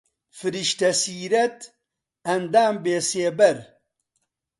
فریشتە سیرەت، ئەندام بێسێبەر